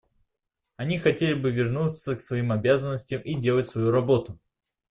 Они хотели бы вернуться к своим обязанностям и делать свою работу.